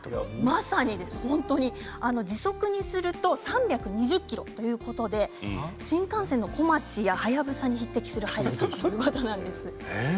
まさに本当に時速にすると３２０キロということで新幹線のこまち、はやぶさに匹敵する速さなんですよ。